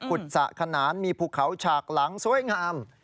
สะขนานมีภูเขาฉากหลังสวยงาม